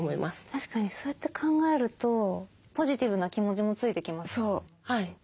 確かにそうやって考えるとポジティブな気持ちもついてきます。